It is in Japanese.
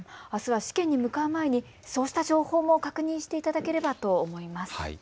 あすは試験に向かう前にそうした情報も確認していただければと思います。